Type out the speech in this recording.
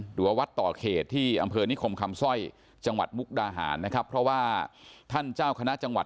หรือว่าวัดต่อเขตที่อำเภอนิคมคำสร้อยจังหวัดมุกดาหารนะครับเพราะว่าท่านเจ้าคณะจังหวัด